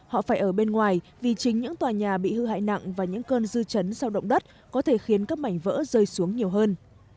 họ phải ở bên ngoài vì chính những tòa nhà bị hư hại nặng và những cơn dư chấn sau động đất có thể khiến các mảnh vỡ rơi xuống nhiều hơn